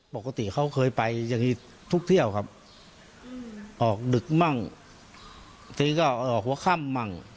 ปกติเขาเคยไปอย่างนี้ทุกเที่ยวครับออกดึกมั่งทีก็ออกหัวค่ำมั่ง